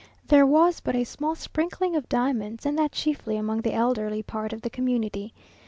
There was but a small sprinkling of diamonds, and that chiefly among the elderly part of the community.